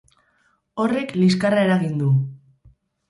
Horrek liskarra eragin du.